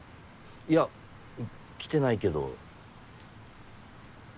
いや来てないけど？